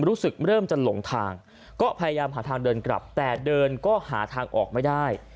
รู้สึกเริ่มจะหลงทางก็พยายามหาทางเดินกลับแต่เดินก็หาทางออกไม่ได้